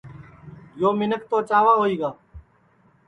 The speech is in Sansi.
یو منکھ توچاوا ہوئی گا